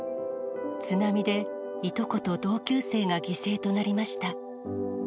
津波でいとこと同級生が犠牲となりました。